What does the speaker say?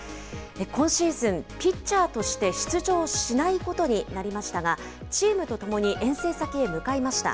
今シーズン、ピッチャーとして出場しないことになりましたが、チームとともに遠征先へ向かいました。